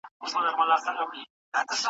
ولې خلګ ناوړه رواجونه پر ځان لازموي؟